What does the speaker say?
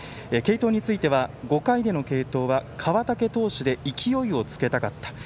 継投については、５回での継投は川竹投手で勢いをつけたかった。